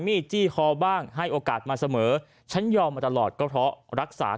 จี้คอบ้างให้โอกาสมาเสมอฉันยอมมาตลอดก็เพราะรักษา